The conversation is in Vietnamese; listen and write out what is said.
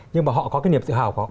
nhưng mà họ có cái niềm tự hào của họ